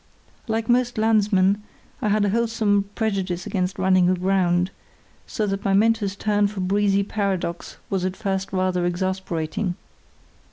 Like most landsmen I had a wholesome prejudice against running aground, so that my mentor's turn for breezy paradox was at first rather exasperating.